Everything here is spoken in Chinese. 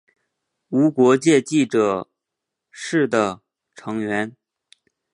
无国界记者是的成员。